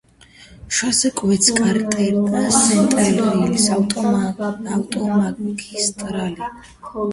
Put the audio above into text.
შუაზე კვეთს კარეტერა-სენტრალის ავტომაგისტრალი.